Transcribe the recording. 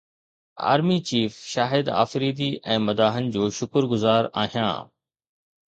army chief Shahid Afridi ۽ مداحن جو شڪر گذار آهيان